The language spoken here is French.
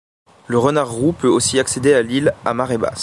Le renard roux peut aussi accéder à l'île à marée basse.